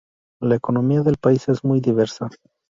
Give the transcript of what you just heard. La economía del país es muy diversa.